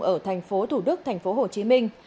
ở thành phố thủ đức thành phố hồ chí minh